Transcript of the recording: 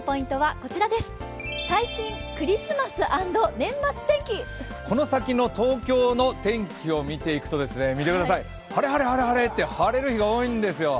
この先の東京の天気を見ていくと、見てください、晴れ、晴れ、晴れ、晴れって晴れる日が多いんですよ。